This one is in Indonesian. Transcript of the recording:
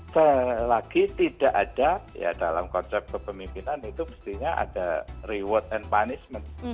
sekali lagi tidak ada ya dalam konsep kepemimpinan itu mestinya ada reward and punishment